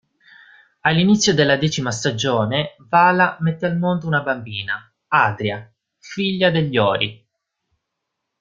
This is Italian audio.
All'inizio della decima stagione Vala mette al mondo una bambina, Adria, figlia degli Ori.